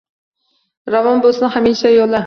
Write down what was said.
Ravon bulsin hamisha yuli